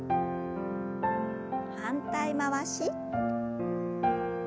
反対回し。